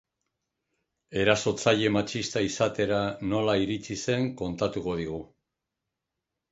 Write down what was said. Erasotzaile matxista izatera nola iritsi zen kontatuko digu.